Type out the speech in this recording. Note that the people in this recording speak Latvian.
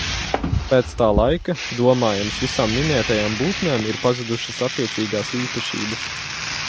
Pēc tā laika, domājams, visām minētajām būtnēm ir pazudušas attiecīgās īpašības.